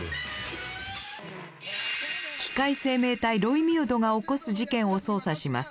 機械生命体ロイミュードが起こす事件を捜査します。